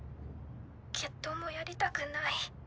決闘もやりたくない。